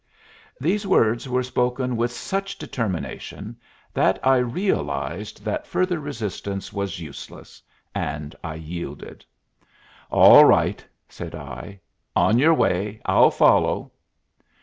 These words were spoken with such determination that I realized that further resistance was useless, and I yielded. "All right," said I. "On your way. I'll follow."